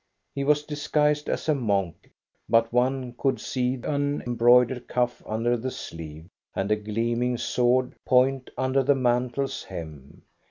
He was disguised as a monk, but one could see an embroidered cuff under the sleeve, and a gleaming sword point under the mantle's hem.